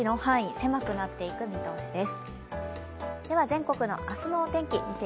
狭くなっていく見通しです。